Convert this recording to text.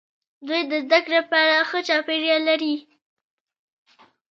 دوی د زده کړې لپاره ښه چاپیریال لري.